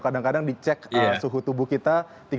kadang kadang dicek suhu tubuh kita